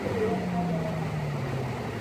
ټولنیز ځواک د ټولنې له جوړښت نه جلا نه پاتې کېږي.